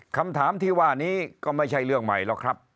คำถามที่ว่านี้ก็ไม่ใช่เรื่องใหม่หรอกครับ